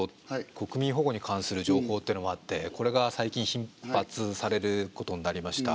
国民保護に関する情報というのもあってこれが最近頻発されることになりました。